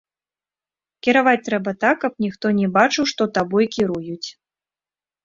Кіраваць трэба так, каб ніхто не бачыў, што табой кіруюць.